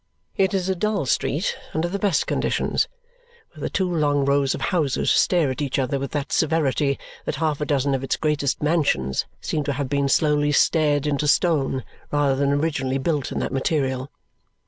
It is a dull street under the best conditions, where the two long rows of houses stare at each other with that severity that half a dozen of its greatest mansions seem to have been slowly stared into stone rather than originally built in that material.